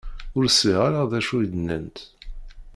Ur sliɣ ara d acu i d-nnant